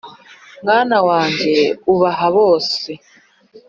mwana wanjye ubaha bose